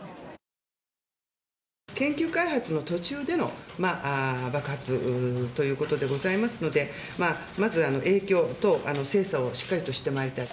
研究開発の途中での爆発ということでございますので、まずは影響等の精査をしっかりとしてまいりたい。